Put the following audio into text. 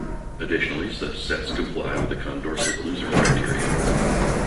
Additionally, such sets comply with the Condorcet loser criterion.